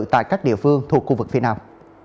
tại các địa phương thuộc khu vực phía nam